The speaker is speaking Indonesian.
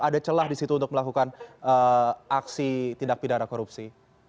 ada celah di situ untuk melakukan aksi tindak pidana korupsi